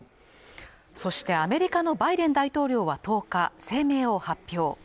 そしてアメリカのバイデン大統領は１０日声明を発表